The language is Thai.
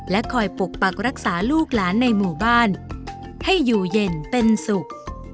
คอยปกปักรักษาลูกหลานในหมู่บ้านให้อยู่เย็นเป็นสุข